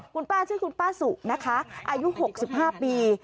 คุณป้าชื่อคุณป้าสุนะคะอายุ๖๕ปี